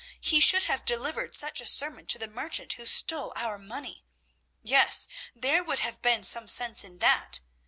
He should have delivered such a sermon to the merchant who stole our money. Yes, there would have been some sense in that.